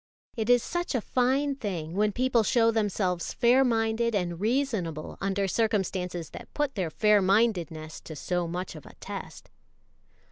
It is such a fine thing when people show themselves fair minded and reasonable under circumstances that put their fair mindedness to so much of a test.